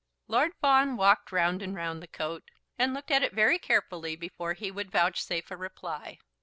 Lord Fawn walked round and round the coat, and looked at it very carefully before he would vouchsafe a reply.